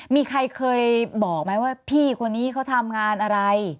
มีใครเคยบอกไหมว่าพี่คนนี้เขาทำงานอะไร